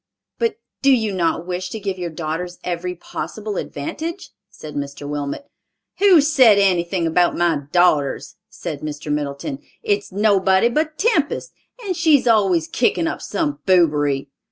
"But do you not wish to give your daughters every possible advantage?" said Mr. Wilmot. "Who's said anything about my daughters?" said Mr. Middleton. "It's nobody but Tempest, and she's always kickin' up some boobery.